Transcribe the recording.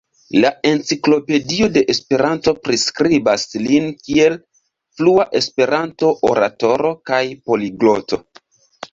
La Enciklopedio de Esperanto priskribas lin kiel flua Esperanto-oratoro kaj poligloto.